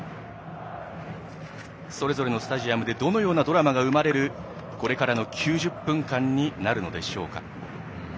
それぞれのスタジアムでどのようなドラマが生まれるこれからの９０分間になるのでしょうか。